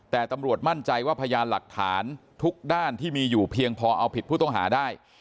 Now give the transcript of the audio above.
แต่ตำรวจมั่นใจว่าพยานหลักฐานทุกด้านที่มีอยู่เพียงพอเอาผิดผู้ต้องหาได้